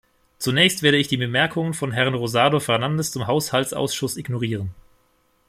Zunächst werde ich die Bemerkungen von Herrn Rosado Fernandes zum Haushaltsausschuss ignorieren.